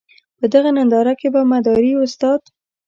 په دغه ننداره کې به مداري استاد.